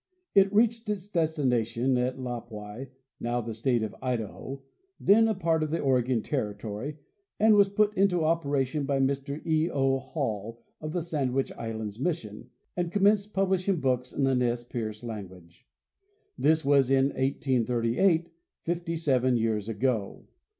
It reached its destination at Lapwai, now the state of Idaho, then a part of Oregon territory, and was put in operation by Mr E. O. Hall, of the Sandwich Islands mission, and commenced publish ing books in the Nez Percé language. This was in 1838, fifty seven years ago.